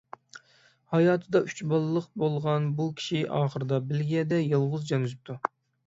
ھاياتىدا ئۈچ بالىلىق بولغان بۇ كىشى ئاخىرىدا بېلگىيەدە يالغۇز جان ئۈزۈپتۇ.